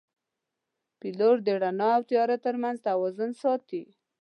پیلوټ د رڼا او تیاره ترمنځ توازن ساتي.